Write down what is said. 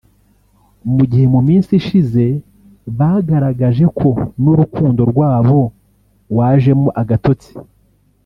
mu gihe mu minsi ishize bagaragaje ko n’urukundo rwabo wajemo agatotsi